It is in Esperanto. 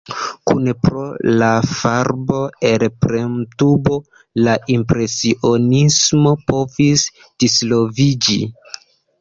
Kune pro la farbo-elpremtubo la impresionismo povis disvolviĝi.